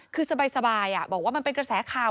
คือสบายบอกว่ามันเป็นกระแสข่าว